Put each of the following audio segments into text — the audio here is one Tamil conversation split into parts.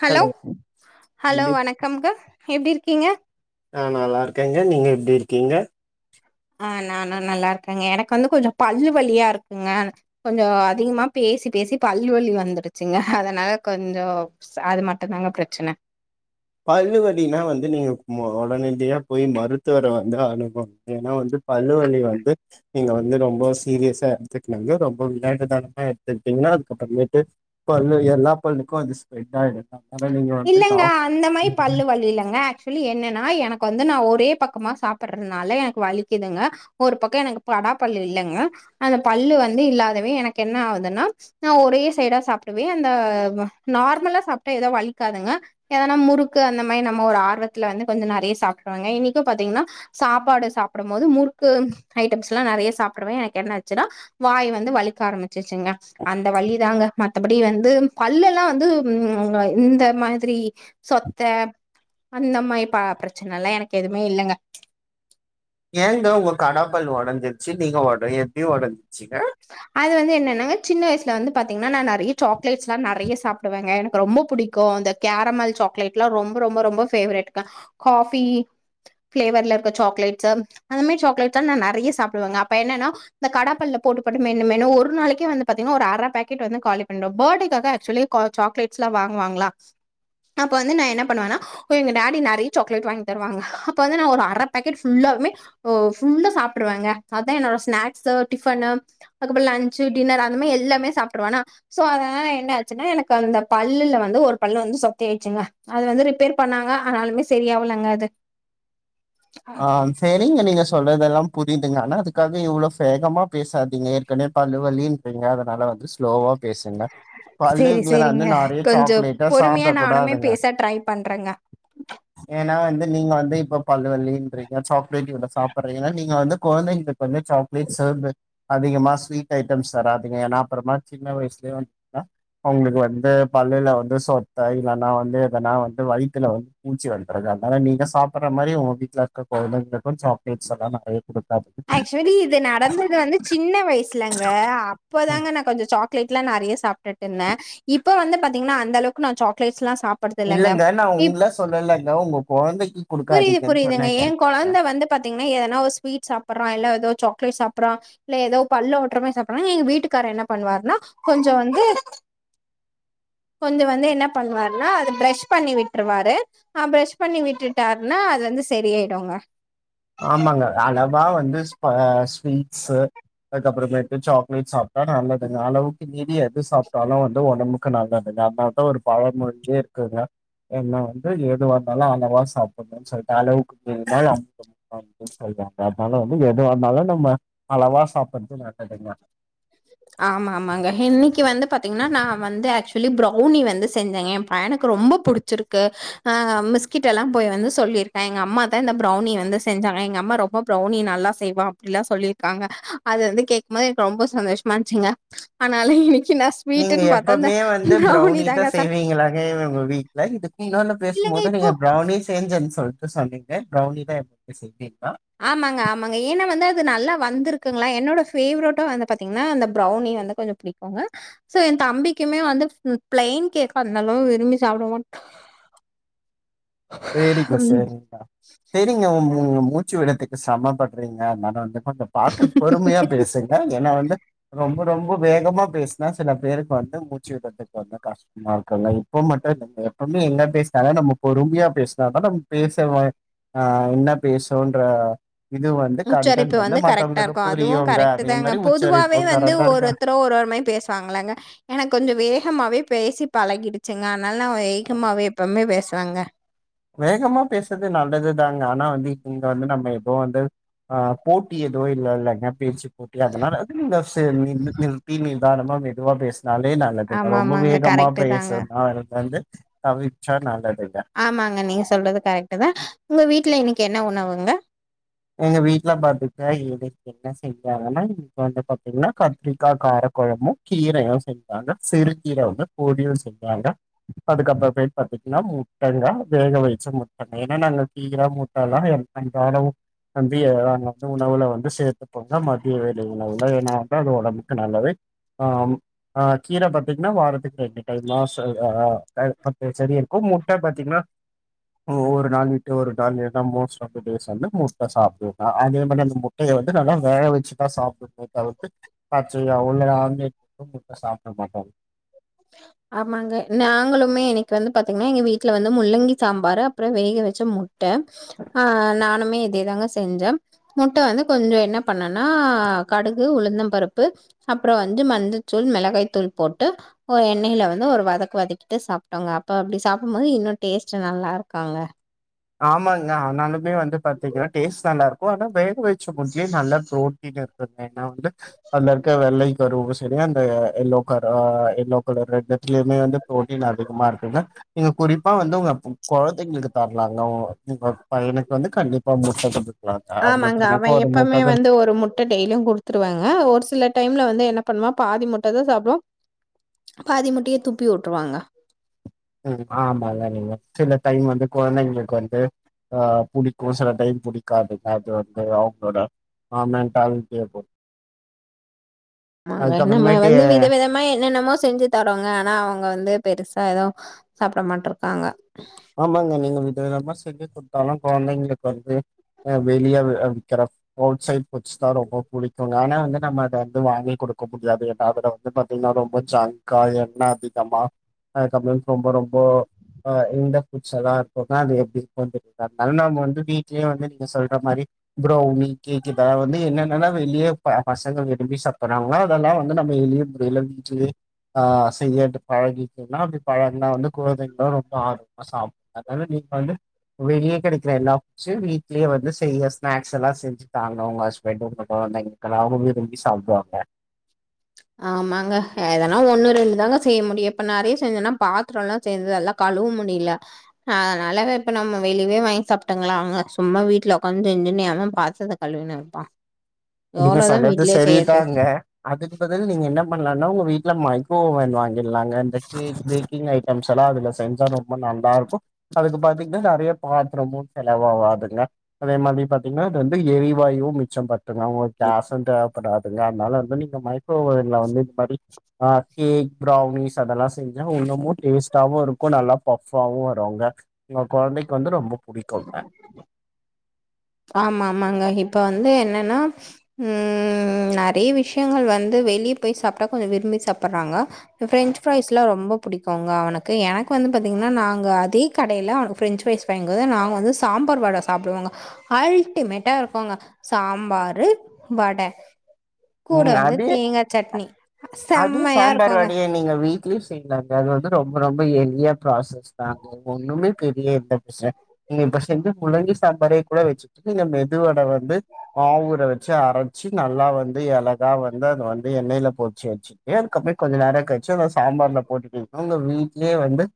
ஹலோ ஹலோ எப்டி வணக்கம்ங்க எப்டி இருக்கீங்க ஆ நல்லார்க்கேங்க நீங்க எப்டி இருக்கீங்க ஆ நானா நல்லார்க்கேங்க எனக்கு வந்து கொஞ்சம் பல்லு வழியா இருக்குங்க கொஞ்சோ அதிகமாப் பேசி பேசி பல்லு வலி வந்துருச்சுங்க அதனால கொஞ்சோ ச் அது மட்டுந்தாங்க பிரச்சன பல்லு வலினா வந்து நீங்க மோ ஒடனடியா போய் மருத்துவர வந்து அணுகணுக எனா வந்துப் பல்லு வலி வந்து நீங்க வந்து ரொம்ப சீரியஸா எடுத்துக்னாங்க ரொம்ப விளையாட்டுதனமா எடுத்துக்டீங்னா அதுக்கப்பறமேட்டு பல்லு எல்லா பல்லுக்கு அது ஸ்பிரெட் ஆய்டு அப்ற நீங்க வந்து இல்லங்க. டாக் அந்த மாரி பல்லு வலி இல்லங்க ஆக்சுவலி என்னென்னா எனக்கு வந்து நா ஒரே பக்கமாக சாப்ட்றதுனால எனக்கு வலிக்குதுங்க ஒரு பக்கோ எனக்கு படா பல்லு இல்லங்க அந்த பல்லு வந்து இல்லாதவே எனக்கு என்ன ஆவுதுன்னா நா ஒரே சைடா சாப்டவே அந்த நார்மலா சாப்ட்டா ஏதோ வலி க்காதுங்க ஏதனா முறுக்கு அந்த மாரி நம்ம ஒரு ஆர்வத்துல வந்து கொஞ்சோ நறைய சாப்டுருவங்க இன்னைக்கு பாத்தீங்னா சாப்பாடு சாப்டும் போது முறுக்கு ஐட்டம்ஸ்லா நறைய சாப்டுவ எனக்கு என்னாச்சுன்னா வாய் வந்து வலிக்க ஆரம்பிச்சிருச்சுங்க அந்த வலி தாங்க மத்தபடி வந்து பல்லல்லா வந்து உம் இந்த அ மாதிரி சொத்த அந்த மாரி பா பிரச்சன எல்லா எனக்கு எதுவுமே இல்லங்க ஏங்க உங்க கடாப்பல் உடஞ்சிருச்சு நீங்க உடய எப்டி உடஞ்ச்சிங்க அது வந்து என்னனாங்க சின்ன வயசுல வந்து பாத்தீங்னா நா நறைய சாக்லேட்ஸ்லா நறைய சாப் டுவங்க எனக்கு ரொம்ப புடிக்கு அந்த கேரமல் சாக்லேட்ல்லா ரொம்ப ரொம்ப ரொம்ப ஃபேவரட்ங்க காஃபி ஃபிளேவர்ல இருக்க சாக்லேட்ஸ்சு அந்த மேரி சாக்லேட்ஸ்லா நா நறைய சாப்டுவங்க அப்ப என்னன்னா அந்த கடாப்பல்ல போட்டு போட்டு மெண்னு மெண்னு ஒரு நாளைக்கே வந்து பாத்தீங்னா ஒரு அற பாக்கெட் வந்து காலி பண்டுவ ஃபேட்டேக்காக ஆக்சுவலி க சாக்லேட்ஸ்ல்லா வாங்குவாங்ளா அப்ப வந்து நா என்ன பண்ணுவன்னா ஓ எங்க டாடி நறைய சாக்லேட் வாங்கி தருவாங்க அப்ப வந்து நா ஒரு அர பாக்கெட் ஃபுல்லாவுமே ஓ ஃபுல்லா சாப்ட்ருங்க அதா என்னோட ஸ்நாக்ஸ்சு டிஃபன்னு அதுக்கப்றோ லன்ச்சு டின்னர் அந்த மேரி எல்லாமே சாப்ட்ருவனா சோ அதனால என்ன ஆச்சுன்னா எனக்கு அந்த பல்லுல வந்து ஒரு பல்லு வந்து சொத்தை ஆய்டுச்சுங்க அது வந்து ரிப்பேர் பண்ணாங்க ஆனாலுமே செரியாவலங்க அது ஆம் ஸ் சேரிங்க நீங்க சொல்றதெல்லா புரிதுங்க ஆனா அதுக்காக இவ்ளோ வேகமா பேசாதீங்க ஏற்கனே பல்லு வலி ங்க அதனால வந்து ஸ்லோவா பேசுங்க சரி, பல்லுக்குள்ள வந்து சரிங்க. நறைய கொஞ்சம் சாக்லேட்டா பொறுமையா சாப்ட நானுமே கூடாதுங்க பேச ட்ரை பண்றேங்க. ஏன்னா வந்து நீங்க வந்து இப்ப பல்லு வலி இப்ப நீங்க சாக்லேட் இவ்ளோ சாப்பறீங்க நீங்க வந்து கொந்தைங்களுக்கு வந்து சாக்லேட்ஸ் ஸ்செர்வு அதிகமா ஸ்வீட் ஐட்டம்ஸ் தராதிங்க ஏனா அப்பறமா சின்ன வயசுலயே வந்துட்டா அவுங்களுக்கு வந்து பல்லுல வந்து சொத்த இல்லன்னா வந்து எதனா வந்து வயித்துல வந் பூச்சி வந்துருது அதனால நீங்க சாப்பற மாரி உங்க வீட்ல இருக்க கொழந்தைங்களுக்கு சாக்லேட்ஸ் எல்லா நறைய குடுக்காத் ஆக்சுவலி இத நா வந்தது வந்து சின்ன வயசுலங்க அப்பதாங்க நா கொஞ்சோ சாக்லேட்லா நறைய சாப்ட்டுட்டு இருந்த இப்ப வந்து பாத்தீங்கனா அந்தளவுக்கு நா சாக்லட்ஸ்ல்லா சாப் பட்றதில்லங்க இல்லங்க நா இப் உங்கள சொல்லலங்க உங்க கொழந்தைக்கு புரிது குடுக்காதீங்கன்னு புரிதுங்க சொன்னேங்க என் கொழந்த வந்து பாத்தீங்னா ஏதுனா ஒரு ஸ்வீட் சாப்பறான் இல்ல எதோ சாக்லெட் சாப்றா இல்ல ஏதோ பல்ல ஒட்றமாரி சாப்பற எங்க வீட்டுக்காரன் என்ன பண்ணுவாருன்னா கொஞ்சோ வந்து கொஞ்சோ வந்து என்ன பண்ணுவாருன்னா அது ப்ரஷ் பண்ணி விட்ருவாரு ஆ ப்ரஷ் பண்ணி விட்டுட்டாருன்னா அது வந்து செரியாய்டுங்க ஆமாங்க அளவா வந்து பாஸ்‌ ஸ்வீட்ஸ்சு அதுக்கப்பறமேட்டு சாக்லேட் சாப்ட்டா நல்லதுங்க அளவுக்கு மீறி எது சாப்ட்டாலு வந்து உடம்புக்கு நல்லதுல்ல அதா ஒரு பழமொழியே இருக்குங்க என்ன வந்து எதுவா இருந்தாலு அளவா சாப்பிடணுன்னு சொல்ட்டு அளவுக்கு‌ மீரினா அமிர்தமும் நஞ்சுன்னு சொல்றாங்க அதனால வந்து எதுவா இருந்தாலு நம்ம அளவா சாப்பறது நல்லதுங்க ஆமா ஆமாங்க இன்னைக்கு வந்து பாத்தீங்கன்னா நா வந்து ஆக்சுவலி ப்ரௌனி வந்து செஞ்சேங்க எனக்கு ரொம்ப புடிச்சிருக்கு ஆ மிஸ்கிட்டல்லா போய் வந்து சொல்லிருக்கா எங்க அம்மா தான் இந்த ப்ரௌனி வந்து செஞ்சாங்க எங்க அம்மா ரொம்ப ப்ரௌனி நல்லா செய்வா அப்டில்லா சொல்லிருக்காங்க அது வந்து கேக்கும்போது எனக்கு ரொம்ப சந்தோஷ் மாச்சுங்க அதனால இன்னைக்கு நா நீங்க எப்பவுமே வந்து ப்ரௌனி தா சாப்ட்டேன். செய்வீங்களாங்க ஒ ஒங்க வீட்ல இதுக்கு முன்னால பேச இல்லங்க ம்போது இப்போ நீங்க ப்ரௌனி சேஞ்சென்னு சொல்ட்டு சொன்னீங்க ப்ரௌனி தா எப்பவுமே செய்வீங்களா ஆமாங்க ஆமாங்க ஏன்னா வந்து அது நல்லா வந்திருக்குங்களா என்னோட ஃபேவ்ரட்டு வந்து பாத்தீங்கன்னா அந்த ப்ரௌனி வந்து கொஞ்ச புடிக் குங்கோ சோ எ தம்பிக்குமே வந்து பிளைன் கேக் அந்தளவு விரும்பி சாப்ட மாட்டா வெரி குட் மாட்டான். சேரிங்கப்பா தெரியுங்க உ உ உங்க மூச்சு விட்றதுக்கு சரம பட்றீங்க அதனால வந்து கொஞ்ச பாத்து பொறுமையா பேசுங் க ஏன்னா வந்து ரொம்ப ரொம்ப வேகமா பேசினா சில பேருக்கு வந்து மூச்சு விட்றதுக்கு கொஞ்ச கஷ் மா இருக்குங்க இப்ப மட்டு இல்ல எப்பவுமே என்ன பேசினாலு நம்ம பொறுமையா பேசுனா தா நமக் பேச வாய்ப் ஆ என்ன பேசணுன்ற இது வந்து உச்சரிப்பு கன்டன்ட் வந்து கரெக்ட்டா மத்தவங்களுக்கு இருக்கும். அதுவும் புரியுங்க அதே மாரி உச்சரிப்போ கரெக்டா இருக்கா த்தரு ஒரு ஒரு மாரி பேசுவாங்களங்க எனக்கு கொஞ்சோ வேகமாவே பேசி பழகிடுச்சுங்க அதனால நா வேகமாவே எப்பவுமே பேசுவேங்க வேகமா பேசுறது நல்லதுதாங்க ஆனா வந்து இங்க வந்து நம்ம எப்பவு வந்து ஆ போட்டி எதோ இல்லங்க பேச்சு போட்டி அதனால அது சோ நின்னு பேசிட்டு நிதானமா போய்ட்டு வா பேசி னாலே நல்லது தா ரொம்ப ஆமாமாங்க. வேகமா கரெக்ட்டு தாங்க. பேசணும்னா இருந்த வந்து தவிர்ச்சா நல்லதுதா ஆமாங்க நீங்க சொல்றது கரெக்ட்டு தா உங்க வீட்ல இன்னைக்கு என்ன உணவுங்க எங்க வீட்ல பாத்துக்கிட்டா இன்னிக் என்ன செஞ்சாங்கன்னா இன்னைக்கு வந்து பாத்தீங்கன்னா கத்திரிக்கா காரக்கொழபு கீரையு செஞ் அ சிறுக்கீர வந்து பொரியல் செய்வாங்க அதுக்கப்புறமேட்டு பாத்தீங்கன்னா முட்டங்க வேக வைச்ச முட்டங்க ஏன்னா நாங்க கீர முட்டலா அந்தளவு மதிய நாங்க வந்து உணவுல வந்து சேத்துக்கோங்க மதிய வேலை உணவுல ஏனா அதா உடம்புக்கு நல்லது ஆம் ஆ கீர பாத்தீங்கன்னா வாரத்துக்கு ரெண்டு டைம் தா சரி ஆ செடியிருக்கு முட்ட பாத்தீங்கன்னா ஓ ஒரு நாள் விட்டு ஒரு நாள் எத மோஸ்ட் ஆஃப் த டேஸ் வந்து முட் சாப்டுவோங்க அதே மாரி அந்த முட்டைய வந்து நல்லா வேக வச்சுதா சாப்டுவோமே தவிர்த்து பச்சயா உள்ள ஆம்லெட் சாப்ட மாட்டோங்க ஆமாங்க நாங்களுமே எனக்கு வந்து பாத்தீங்கன்னா எங்க வீட்ல வந்து முள்ளங்கி சாம்பாரு அப்பறோ வேக வச்ச முட் ட்ட ஆ நானுமே இதே தாங்க செஞ்சே முட்ட வந்து கொஞ்சோ என்ன பண்ணேன்னா கடுகு உளுந்தம் பருப்பு அப்றோ வந்து மஞ்சத்தூள் மிளகாய் தூள் போட்டு ஒரு எண்ணையில வந்து ஒரு வதக்கு வதக்கிட்டு சாப்ட்டோங்க அப்ப அப்டி சாப்டும்போது இன்னு டேஸ்ட்டு நல்லாருக்குங்க ஆமாங்க ஆனாலு இங்கயே வந்து பாத்தீங்கனா டேஸ்ட் நல்லாருக்கு ஆனா வேக வச்சு முட்டலயே நல்லா ப்ரோட்டீன் இருக் ட நா வந்து அதுல இருக்க வெள்ளையு கருவு செரியா அந்த எல்லோ கலர் ஆ எல்லோ கலர்ல ரெண்ட்த்துலயுமே வந்து ப்ரோட்டீன் அதிகமா இருக்குங்க நீங்க குறிப்பா வந்து ஒங்க கொழந்தைகளுக்கு தர நாங்க ஒங் [unintelligible] பையனுக்கு வந்து கண்டிப்பா முட்ட குடுத் ஆமாங்க அவ எப்வுமே வந்து ஒரு முட் ட டெய்லியு குடுத்துருவங்க ஒரு சில டைம்ல வந்து என்ன பண்வா பாதி முட்டதா சாப்டுவா பாதி முட்டய துப்பிவுட்ருவாங்க ம் ஆமா அதலா இல்லிங்க சில டைம் வந்து கொழந்தைங்களுக்கு வந்து ஆ புடிக்கு சில டைம் புடிக்காது அது வந்து அவுங்களோட பெர்மனென்ட்டா வீட்லயே இருப்போ ஆமாங்க நம்ம அதுக்கப்புறமேட்டு வந்து வித விதமா என்னென்னமோ செஞ்சி தரோங்க ஆனா அவுங்க வந்து பெருசா எது சாப்ட மாட்ருக்காங்க ஆமாங்க நீங்க வித விதமா செஞ்சிக்குத்தாலு கொழந்தைங்களுக்கு வந்து ஆ வெளிய அ விக்கிற ஃபு அவுட் சைட் ஃபுட்ஸ் தா ரொம்ப புடிக்கு ஆனா வந்து நம்ம அத வந்து வாங்கி குடுக்க முடியாது ஏனா அதுல வந்து பாத்தீங்கன்னா ரொம்ப ஜங்கா எண்ணெ அதிகமா அதுகப்றோ ரொம்ப ரொம்போ ஆ இந்த ஃபுட்ஸ்யெல்லா உக்காந்து எப்டி இருக்குனு தெரில அதுனால நம்ம வந்து வீட்லே வந்து நீங்க சொல்ற மாரி ப்ரோ உங்களுக்கு கேக்கிதா வந்து என்னென்னா வெளியே ப பசங்க விரும்பி சாப்றாங்க அதெல்லா வந்து நம்ம எளிய எல்லா வீட்லியே ஆ செய்ய பழகிக்னா அப்டி பழகனா வந்து கொழந்தைங்க ஆர்வமா சாப்டு அதுனால நீங்க வந்து வெளியே கெடைக்ற எல்லா ஃபுட்ஸ்சு வீட்லே வந்து செய்ய ஸ்நாக்ஸ் எல்லா செஞ்சு தாங்க உங்க ஹஸ்பண்ட் உங்க கொழந்தைங்க எல்லாரு விரும்பி சாப்டுவாங்க ஆமாங்க எதனா ஒண்ணு ரெண்டு தாங்க செய்ய முடியு இப்ப நெறைய செஞ்சோன்னா பாத்ரோல்லா சேர்து எல்லா கழுவ முடில அதனால இப்ப நம்ம வெளிவே வாங்கி சாப்ட்டங்களாங்க சும்மா வீட்லஉக்காந்து செஞ்சுனு எவன் பாத்ரத்த கழுவுனப்பா அப்டினா சொல்றது சரிதாங்க அதுக்கு பதில் நீங்க என்ன பண்லானா உங்க வீட்ல மைக்கோஓவ்வன் வாங் கில்லாங்க இந்த கேக் பேக்கிங் ஐட்டம்ஸ் எல்லா அதுல செஞ்சா ரொம்ப நல்லா இருக்கு அதுக்கு பாத்தீங்ன்னா நெறைய பாத்ரமு செலவாவாதுங்க அதே மாதிரி பாத்தீங்கன்னா இது வந்து எரிவாயுவு மிச்சோ பண் ணுங்க உங்க கேசு தேவப்படாதுங்க அதுனால வந்து நீங்க மைக்கோவோவன்ல வந்து இது மாரி ஆ கேக் ப்ரௌனிஸ் அதெல்லா செஞ்சா இன்னுமு டேஸ்ட்டாவு இருக்கு நல்லா பஃப்வாவு வருங்க ஒங்க கொழந்தைக்கு வந்து ரொம்ப புடிக்குங்க ஆமா ஆமாங்க இப்ப வந்து என்னன்னா ம் நெறைய விஷயங்கள் வந்து வெளியே போய் சாப்ட்டா கொஞ்சோ விரும்பி சாப்புறாங்க ப்ரெஞ்சு ப்ஃரைஸ் லா ரொம்ப புடிக்குங்க அவனுக்கு எனக்கு வந்து பாத்தீங்கன்னா நாங்க அதே கடைல ப்ரெஞ்சு ப்ஃரைஸ் வாங்குவோ நா வந்து சாம்பார் வட சாப்டுவேங்க அல்டிமேட்டா இருக்குங்க சாம்பாரு வட கூட வந்து தேங்காசட்னி அது சாம்பார் வடய நீங்க வீட்லயு செய்லாங்க அது வந்து ரொம்ப ரொம்ப எலிய ப்ராசஸ் தாங்க ஒண்ணுமே பெரிய இருந்த பச இன்னக்கி இப்ப செஞ்ச முள்ளங்கி சாம்பாரே கூட வச்சுட்டு இந்த மெதுவட வந்து மாவுஊர வச்சு அரச்சு நல்லா வந்து எழகா வந்து அது வந்து எண்ணெயில போ சேச்சீ ஏனு கமீட் கொஞ்ச நேரோ கழிச்சீ அத சாம்பார்ல போட்டுட்டு உங்க வீட்லியே வந்து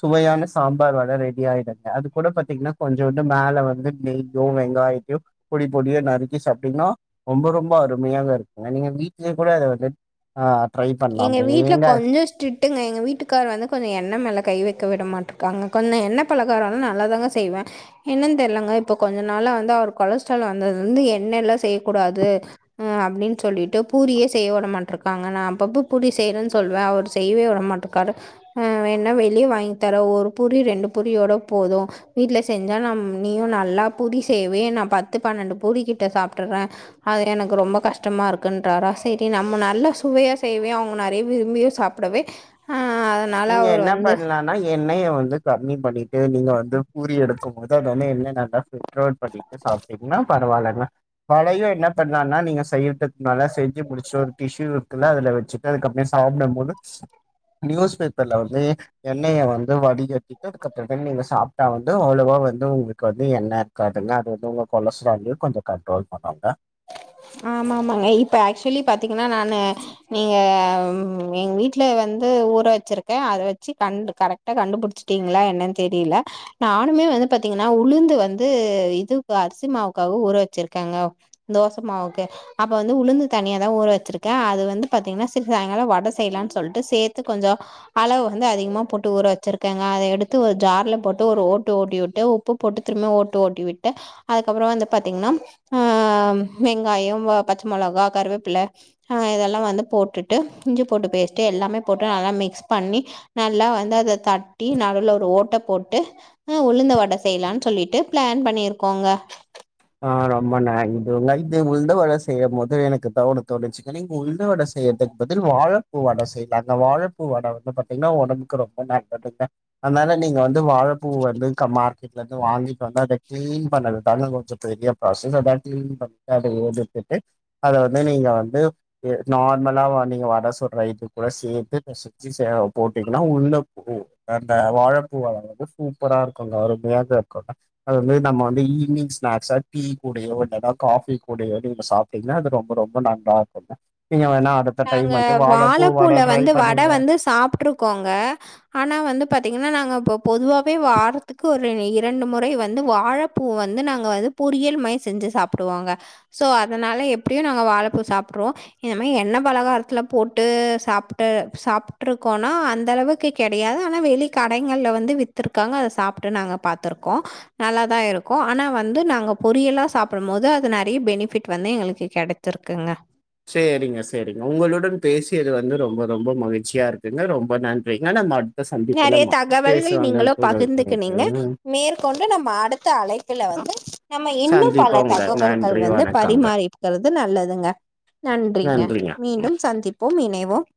சுவையான சாம்பார் வட ரெடி ஆய்டுங்க அது கூட பாத்தீங்கன்னா கொஞ்சோண்டு மேலே வந்து நெய் யோ வெங்காயக்கீவ் பொடிபொடியா நறுக்கி சாப்டிங்னா ரொம்ப ரொம்ப அருமையாக இருக்கு நீங்க வீட்லயே கூட அத வந்து ஆ ட்ரை எங்க பண்ணலாமே வீட்ல ஏங்க கொஞ்ச ஸ்ட்ரிட் டுங்க எங்க வீட்டுக்கார் வந்து கொஞ்ச எண்ணெ மேல கை வெக்க விட மாட்டுக்காங்க கொஞ்ச எண்ண பலகாரோலா நல்லாதாங்க செய்வே என்னன் தெர்லங்க இப்போ கொஞ்ச நாள வந்து அவர் கொலஸ்ட்ரால் வந்ததுலந்து எண்ணெல்லா செய்யக்கூடாது அ அப்டின் சொல்லிட்டு பூரியே செய்ய விடமாட்ருக்காங்க நா அப்பப்போ பூரி செய்றேன் சொல்வே அவுர் செய்வே உடமாட்டுக்காரு ஆ வேன்னா வெளியே வாங்கி தரே ஒரு பூரி ரெண்டு பூரியோட போது வீட்ல செஞ்சா நம் நீயு நல்லா பூரி செய்வே நா பத்து பன்னண்டு பூரி கிட்ட சாப்ட்ருவே அது எனக்கு ரொம்ப கஷ்டமா இருக்குன்றாரா சரி நம்ம நல்ல சுவையா செய்வே அவுங்க நெறைய விரும்பியு சாப்டவே அதனால நீங்க அவர் என்ன வந்து பண்லா ஆனா எண்ணய வந்து கம்மி பண்ணிட்டு நீங்க வந்து பூரி எடுக்கும் போது அது வந்து எண்ண நல்லா [unintelligible] சாப்டிங்னா பரவால்லங்க வலையு என்ன பண்லான்னா நீங்க செய்றதுக் முன்னால செஞ்சு முடுச்சோட்டி டிஸ்சுக்குள்ள அதுல வெச்சு அதுக் அப்டி சாப்டும் போது நியூஸ் பேப்பர்ல வந்து எண்ணய வந்து வடிகட்டிட்டு அதுக்கப்புற த நீங்க சாப்ட்டா வந்து அவ்வளோவா வந்து உங்கள்க்கு வந்து எண்ண காட்டுந்தா அது வந்து உங்க கொலஸ்ட்ராலயு கொஞ்ச கண்ட்ரோல் பண்ணுங்க ஆமா ஆமாங்க இப்ப ஆக்சுலி பாத்தீங்கன்னா நானு நீங்க ம் நீங்க எங்க வீட்ல வந்து ஊற வச்சுருக்கே அத வச்சு கண்டு கரெக்டா கண்டுபுடுச்சிடீங்களா என்னன் தெரீல நானுமே வந்து பாத்தீங்கன்னா உளுந்து வந்து இது அரிசி மாவுக்காக ஊற வச்சிருக்கேங்க தோசமாவுக்கு அப்ப வந்து உளுந்து தனியாதா ஊற வச்சிருக்கே அது வந்து பாத்தீங்கன்னா செரி சாயங்காலொ வட செய்லான் சொல்ட்டு சேத்து கொஞ்சோ அளவு வந்து அதிகமா போட்டு ஊற வச்சிருக்கேங்க அத எடுத்து ஒரு ஜார்ல போட்டு ஒரு ஓட்டு ஓட்டி உட்டு உப்பு போட்டு திரும்ப ஓட்டு ஓட்டி விட்ட அதுக்கப்புறோ வந்து பாத்தீங்கன்னா ம் வெங்காயோ பச்ச மொளகா கருவேப்பில ஆ இதெல்லா வந்து போட்டுட்டு இஞ்சி பூண்டு பேஸ்ட்டு எல்லாமே போட்டு நல்லா மிக்ஸ் பண்ணி நல்லா வந்து அத தட்டி நடுவுல ஒரு ஓட்ட போட்டு ம் உளுந்த வட செய்லான் சொல்லிட்டு பிளான் பண்ணிருக்கோங்க அ ரொம்ப ந இது உங்க இது உழுந்தவட செய்ய போது எனக்கு தவண தோணுச்சு எனக் உள்ந்தவட செய்யறதுக்கு பதில் வாழபூ வட செய்யலா அந்த வாழப்பூ வட வந்து பாத்தீங்கன்னா ஒடம்புக்கு ரொம்ப நல் கண்டிப்பா அதனால நீங்க வந் து வாழப்பூ வந்து க மார்கெட்ல இருந்து வாங்கிட்டு வந்து அத கிளீன் பண்ணது தாங்க கொஞ்சோ பெரிய ப்ராஸஸ் அத கிளீன் பண்ணி அத எடுத்துட்டு அத வந்து நீங்க வந்து நார்மலா நீங்க வட சுட்ற இது கூட சேத்து பெசை ச்சு போட்டீங்கன்னா உள்ள போ அந்த வாழப்பூ வட வந்து சூப்பரா இருக்குங்க அருமையாக இருக்கு அத வந்து நம்ம வந்து ஈவினிங்ஸ் ஸ்நாக்ஸா டீ கூடயோ இல்லன காபி கூடையோ நீங்க சாப்ட்டீங்கன்னா அது ரொம்ப ரொம்ப நல்லா இருக்குங்க நீங்க வேணா அடுத்த டைம் நாங்க வந்து வாழப்பூ வட வாழப்பூல ட்ரை வந்து வட பண்ணுங்க வந்து சாப்ட்ருக்கோங்க ஆனா வந்து பாத்தீங்கன்னா நாங்க இப்ப பொதுவாவே வாரத்துக்கு ஒரு இரண்டு முறை வந்து வாழ பூ வந்து நாங்க வந்து பொரியல் மாயி செஞ்சு சாப்பிடுவாங்க சோ அதனால எப்புடியு நாங்க வாழப்பூ சாப்ட்ருவோ இந்த மயி எண்ண பலகாரத்துல போட்டு சாப்டு சாப்ட்டுருக்கோனா அந்த அளவுக்கு கிடையாது ஆனா வெளி கடைங்கள்ல வந்து வித்திருக்காங்க அத சாப்ட்டு நாங்க பாத்துருக்கோ நல்லாதா இருக்கு ஆனா வந்து நாங்க பொரியலா சாப்பிடும் போது அது நெறைய பெனிபிட் வந்து எங்களுக்கு கெட ச்சுருக்குங்க சேரிங்க சேரிங்க உங்களுடன் பேசியது வந்து ரொம்போ ரொம்போ மகிழ்ச்சியா இருக்குங்க ரொம்போ நன்றிங்க நம்ம அடு நெறைய தகவல்கள் நீங்களோ பகிர்ந்துக்குனீங்க உங்களுக்கு. மேற் கொண்டு நம்ம அடுத்த அழைப்பில வந்து நம்ம இன்னு பல சந்திப்போங்க தகவல்கள் நன்றி வந்து வணக்கங்க பரிமாறிக்கறது நல்லதுங்க நன்றிங்க மீண்டும் சந்திப்போம் இணைவோம்